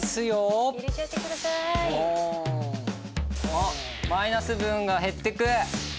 あっマイナス分が減ってく！